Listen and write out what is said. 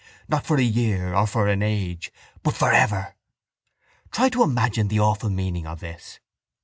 Not for a year or for an age but for ever. Try to imagine the awful meaning of this.